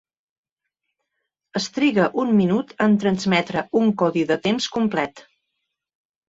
Es triga un minut en transmetre un codi de temps complet.